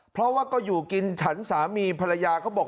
เพราะว่าก็อยู่กินฉันสามีภรรยาเขาบอก